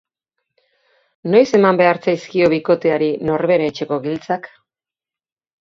Noiz eman behar zaizkio bikoteari norbere etxeko giltzak?